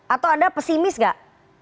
atau anda pesimis gak